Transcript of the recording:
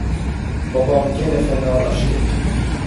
Babam gene fenalaştı!